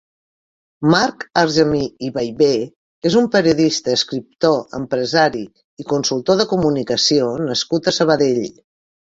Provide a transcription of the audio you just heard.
Marc Argemí i Ballbè és un periodista, escriptor, empresari i consultor de comunicació nascut a Sabadell.